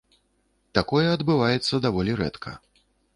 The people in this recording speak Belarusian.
Такое адбываецца даволі рэдка.